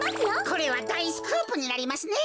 これはだいスクープになりますね。